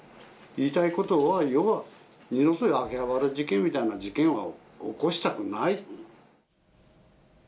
言いたいことは、要は二度と秋葉原事件みたいな事件は起こしたくない。